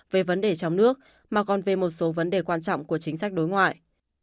về vấn đề trong nước mà còn về một số vấn đề quan trọng của chính sách đối ngoại